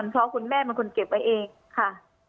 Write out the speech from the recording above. เพราะคุณแม่เป็นคนเก็บไว้เองค่ะ